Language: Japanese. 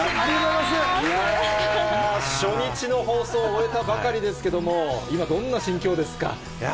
いやー、初日の放送を終えたばかりですけれども、今、どんな心境ですか。